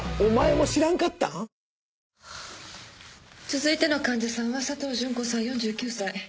続いての患者さんは佐藤潤子さん４９歳。